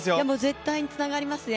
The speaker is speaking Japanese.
絶対につながりますね。